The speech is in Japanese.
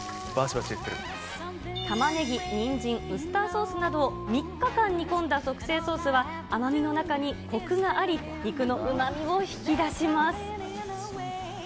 タマネギ、ニンジン、ウスターソースなどを３日間煮込んだ特製ソースは、甘みの中にこくがあり、肉のうまみを引き出します。